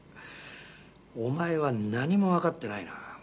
お前は何もわかってないなあ。